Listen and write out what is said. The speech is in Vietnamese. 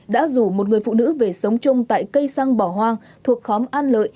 đã rủ một người phụ nữ về sống chung tại cây xăng bỏ hoang thuộc khóm an lợi